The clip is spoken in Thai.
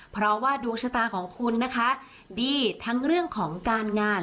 เพราะว่าดวงชะตาของคุณนะคะดีทั้งเรื่องของการงาน